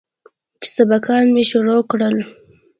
چې سبقان مې شروع کړل.